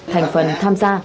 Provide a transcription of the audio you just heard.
thành phần tham gia